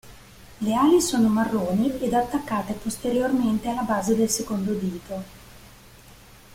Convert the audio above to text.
Le ali sono marroni ed attaccate posteriormente alla base del secondo dito.